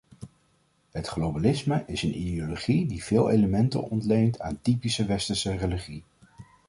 Het globalisme is een ideologie die veel elementen ontleent aan typisch westerse religie.